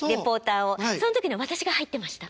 その時ね私が入ってました。